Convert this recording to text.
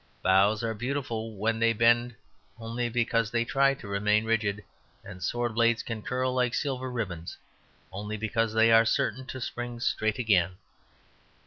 Bows arc beautiful when they bend only because they try to remain rigid; and sword blades can curl like silver ribbons only because they are certain to spring straight again.